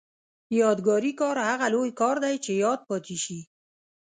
یادګاري کار هغه لوی کار دی چې یاد پاتې شي.